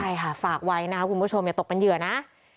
ใช่ค่ะฝากไว้นะคุณผู้ชมอย่าตกปัญเยื่อนะ